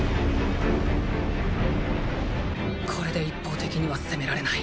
これで一方的には攻められない。